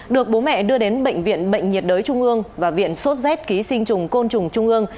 được bố mẹ đưa đến bệnh viện bệnh nhiệt đới trung ương và viện sốt z ký sinh trùng côn trùng trung ương